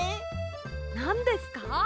なんですか？